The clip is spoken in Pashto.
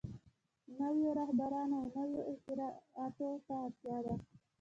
نويو رهبرانو او نويو اختراعاتو ته اړتيا ده.